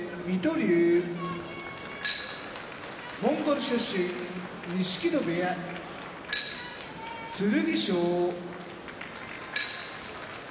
龍モンゴル出身錦戸部屋剣翔東京都出身